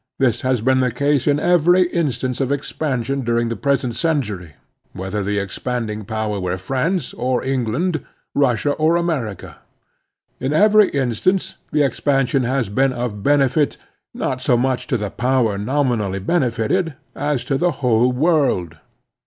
This has been the case in every instance of expansion during the present century, whether the expanding power were 82 The Strenuous Life France or England, Russia or America. In every instance the expansion has been of benefit, not so much to the power nominally benefited, as to the whole world.